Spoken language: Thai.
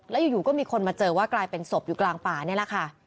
แล้วอยู่ก็มีคนมาเจอว่ากลายเป็นศพอยู่กลางป่านี่แหละค่ะ